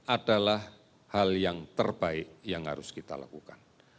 adalah hal yang terbaik yang harus kita lakukan